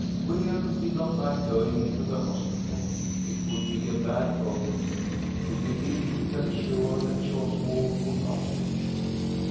William did not like going into the hospital; it would be a bad omen. If he did, he felt sure that Chasuble would not win.